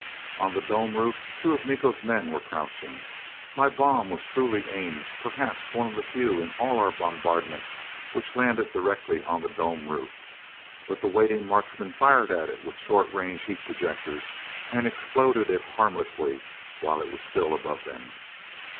On the dome roof two of Miko's men were crouching. My bomb was truly aimed perhaps one of the few in all our bombardment which landed directly on the dome roof. But the waiting marksmen fired at it with short range heat projectors and exploded it harmlessly while it was still above them.